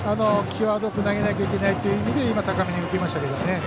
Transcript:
際どく投げなきゃいけないという意味で今、高めに浮きましたけど。